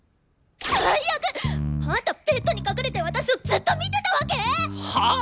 最悪！あんたベッドに隠れて私をずっと見てたわけ！？はあ！？